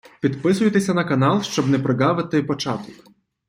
Підписуйтеся на канал, щоб не проґавити початок.